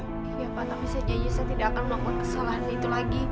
iya pak tapi saya janji saya tidak akan melakukan kesalahan itu lagi